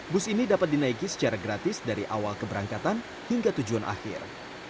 bus ini dapat dinaiki secara gratis dari awal keberangkatan hingga tujuan akhir